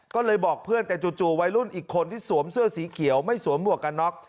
ก็เลยบอกเพื่อนแต่จู่วัยรุ่นอีกคนที่สวมเสื้อสีเขียวไม่สวมหมวกกันน็อก